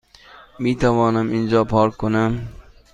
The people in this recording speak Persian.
میتوانم اینجا پارک کنم؟